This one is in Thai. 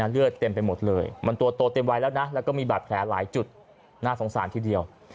เลือดเต็มไปหมดเลยมันตัวโตเต็มวัยแล้วนะแล้วก็มีบาดแผลหลายจุดน่าสงสารทีเดียว